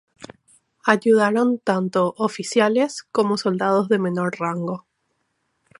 Ayudaron tanto oficiales como soldados de menor rango.